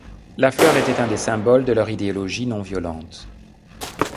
La fleur était un des symboles de leur idéologie non violente.